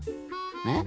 えっ？